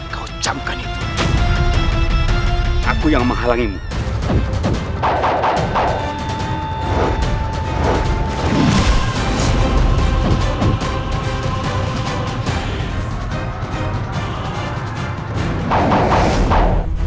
kau ingin mengambil mustika ampal